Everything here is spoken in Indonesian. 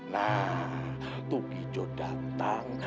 nah tukijo datang